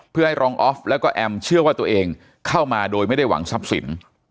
เพื่อให้รองออฟแล้วก็แอมเชื่อว่าตัวเองเข้ามาโดยไม่ได้หวังทรัพย์สิน